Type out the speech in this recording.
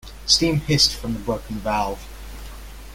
Steam hissed from the broken valve.